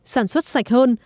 sản xuất sạch hơn